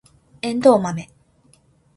エンドウマメ